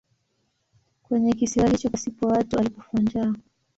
Kwenye kisiwa hicho pasipo watu alikufa njaa.